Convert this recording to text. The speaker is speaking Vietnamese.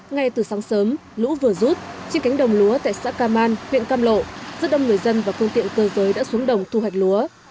ngay từ sáng sớm lũ vừa rút trên cánh đồng lúa tại xã cam man huyện cam lộ rất đông người dân và phương tiện cơ giới đã xuống đồng thu hoạch lúa